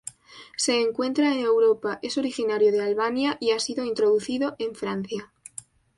Se encuentra en Europa: es originario de Albania y ha sido introducido en Francia.